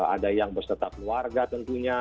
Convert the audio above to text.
ada yang berserta keluarga tentunya